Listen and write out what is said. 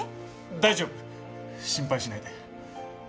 大丈夫心配しないで。